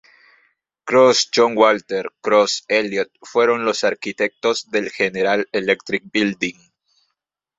Cross, John Walter; Cross, Eliot fueron los arquitectos del General Electric Building.